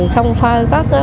không pha gạo